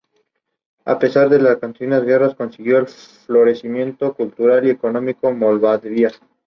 Tomás Pavón dejó una discografía no muy extensa, pero de gran calidad.